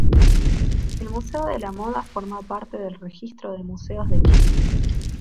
El Museo de la Moda forma parte del Registro de Museos de Chile.